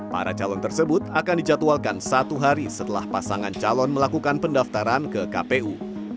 para calon tersebut akan dijadwalkan satu hari setelah pasangan calon melakukan pendaftaran ke kpu